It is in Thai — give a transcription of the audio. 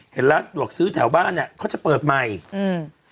เห็นร้านสะดวกซื้อแถวบ้านเนี้ยเขาจะเปิดใหม่อืม